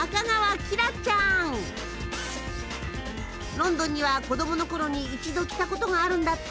ロンドンには子供のころに一度来た事があるんだって。